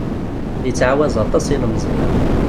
Ittɛawaz aṭas yilemẓi-a.